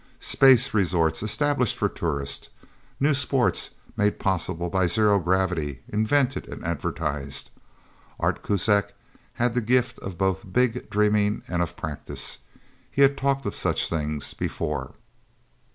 Space resorts established for tourists; new sports made possible by zero gravity, invented and advertised. Art Kuzak had the gift of both big dreaming and of practice. He'd talked of such things, before.